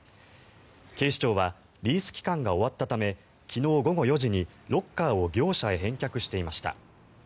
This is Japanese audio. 警視庁はリース期間が終わったため昨日午後４時にロッカーを業者へ返却していました。